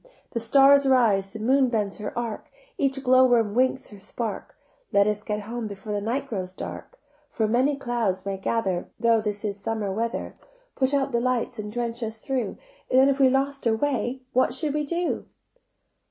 The stars rise, the moon bends her arc, Each glowworm winks her spark, Let us get home before the night grows dark: For clouds may gather Though this is summer weather, Put out the lights and drench us through; Then if we lost our way what should we do?"